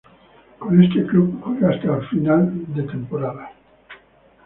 Con este club juega hasta final de temporada.